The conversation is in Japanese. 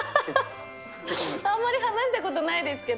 あまり話したことないですけど。